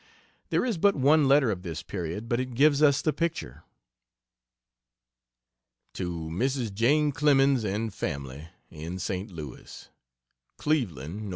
There is but one letter of this period, but it gives us the picture. To Mrs. Jane Clemens and family, in St. Louis: CLEVELAND, Nov.